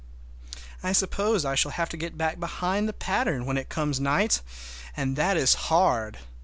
I suppose I shall have to get back behind the pattern when it comes night, and that is hard!